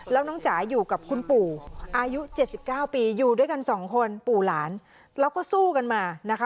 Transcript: แล้วน้องจ๋าอยู่กับคุณปู่อายุ๗๙ปีอยู่ด้วยกันสองคนปู่หลานแล้วก็สู้กันมานะคะ